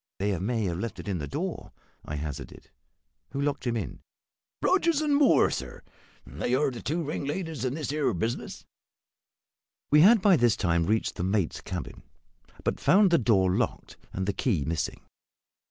"They may have left it in the door," I hazarded. "Who locked him in?" "Rogers and Moore, sir. They are the two ringleaders in this here business." We had by this time reached the mate's cabin; but found the door locked, and the key missing.